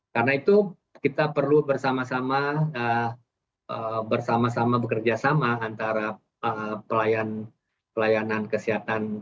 karena itu kita perlu bersama sama bekerjasama antara pelayanan kesehatan